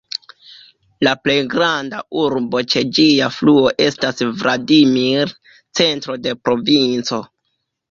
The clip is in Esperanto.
La plej granda urbo ĉe ĝia fluo estas Vladimir, centro de provinco.